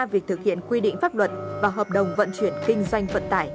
việc thực hiện quy định pháp luật và hợp đồng vận chuyển kinh doanh vận tải